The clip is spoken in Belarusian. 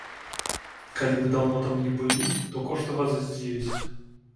Калі вы даўно там не былі, то кошты вас здзівяць.